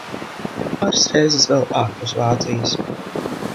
Tad pāris reizes vēl ārpus Vācijas.